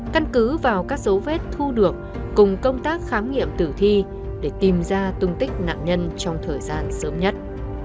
căn cứ vào các dấu vết thu được cùng công tác khám nghiệm tử thi để tìm ra tung tích nạn nhân trong thời gian sớm nhất